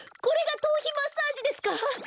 これが頭皮マッサージですか！